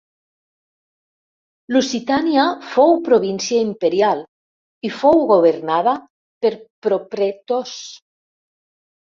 Lusitània fou província imperial, i fou governada per propretors.